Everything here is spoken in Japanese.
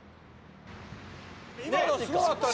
「今のすごかったね」